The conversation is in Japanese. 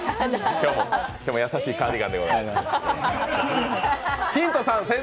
今日も優しいカーディガンでございます。